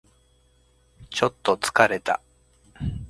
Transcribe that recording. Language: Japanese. ちょっと疲れた